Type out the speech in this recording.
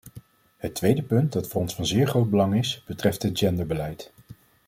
Het tweede punt dat voor ons van zeer groot belang is, betreft het genderbeleid.